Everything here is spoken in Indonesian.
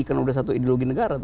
karena udah satu ideologi negara